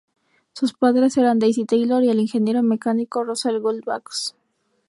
Sus padres eran Daisy Taylor y el ingeniero mecánico Russell Gould Backus.